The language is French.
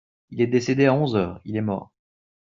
Il est décédé à onze heures, il est mort.